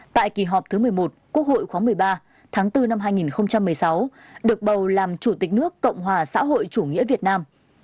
tại kỳ họp thứ một mươi một quốc hội khóa một mươi ba tháng bốn năm hai nghìn một mươi sáu được bầu làm chủ tịch nước cộng hòa xã hội chủ nghĩa việt nam